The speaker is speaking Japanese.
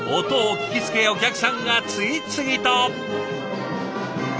音を聞きつけお客さんが次々と。